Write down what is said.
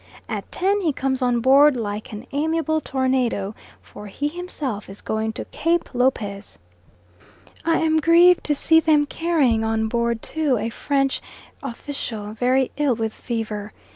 At ten he comes on board like an amiable tornado, for he himself is going to Cape Lopez. I am grieved to see them carrying on board, too, a French official very ill with fever.